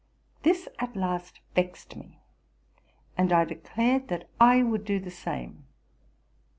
This at last vexed me, and I dee lared that I would do the same.